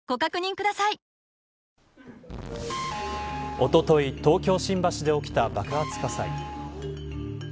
おととい東京、新橋で起きた爆発火災。